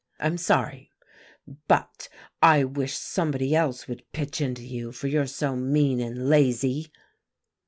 "I'm sorry; but I wish somebody else would pitch into you, for you're so mean and lazy."